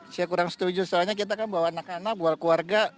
saya kurang setuju soalnya kita kan bawa anak anak bawa keluarga